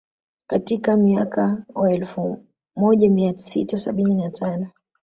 Katika mweaka wa elfu moja mia sita sabini na tano